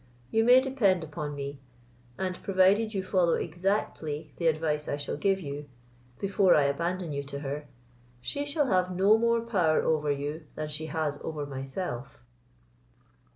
You may depend upon me, and, provided you follow exactly the advice I shall give you, before I abandon you to her, she shall have no more power over you than she has over myself."